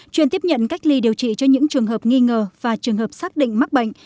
chuyên tiếp nhận cách ly điều trị cho những trường hợp nghi ngờ và trường hợp xác định mắc bệnh